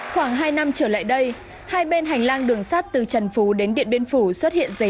khoảng hai năm trở lại đây hai bên hành lang đường sắt từ trần phú đến điện biên phủ xuất hiện giấy